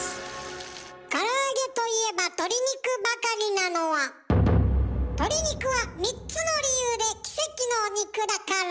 から揚げといえば鶏肉ばかりなのは鶏肉は３つの理由で奇跡の肉だから。